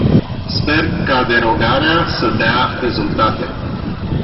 Sper ca derogarea să dea rezultate.